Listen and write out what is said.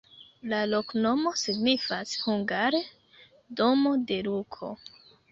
La loknomo signifas hungare: domo de Luko.